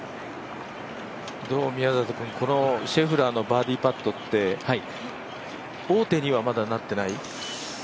シェフラーのバーディーパットって、王手にはまだなってない？